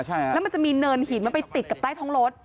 ใช่ครับแล้วจะมีเนินหินไปติดกับใต้ท้องรถ